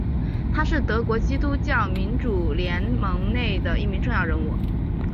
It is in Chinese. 他是德国基督教民主联盟内的一名重要人物。